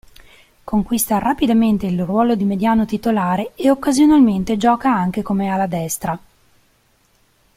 Conquista rapidamente il ruolo di mediano titolare ed occasionalmente gioca anche come ala destra.